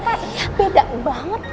kayak beda banget